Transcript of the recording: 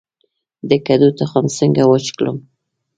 د کدو تخم څنګه وچ کړم؟